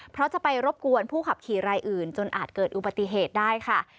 เพราะจะไปรบกวนผู้ขับขี่รายอื่นจนอาจเกิดอุบัติเหตุได้ค่ะ